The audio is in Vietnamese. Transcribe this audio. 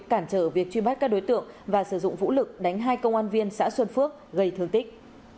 cản trở việc truy bắt các đối tượng và sử dụng vũ lực đánh hai công an viên xã xuân phước gây thương tích